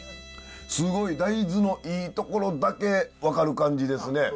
すごい大豆のいいところだけ分かる感じですね。